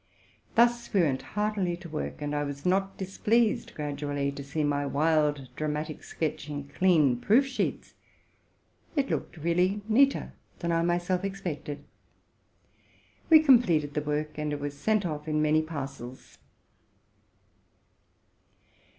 Thus we went heartily to work, and I was not displeased gradually to see my wild dramatic sketch in clean proof sheets: it looked really neater than I myself expected. We completed the work, and it was sent off in many parcels.